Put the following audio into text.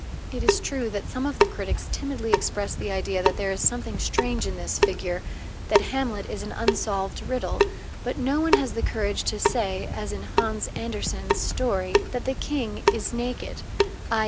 It is true that some of the critics timidly express the idea that there is something strange in this figure, that Hamlet is an unsolved riddle, but no one has the courage to say (as in Hans Andersen's story) that the King is naked _i.